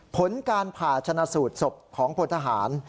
ผลการผ่าชนะสูตรศพของพลทหาร